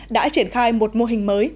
đã triển khai một mô hình mới